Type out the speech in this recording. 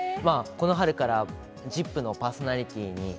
この春からＺＩＰ！のパーソナリティーに。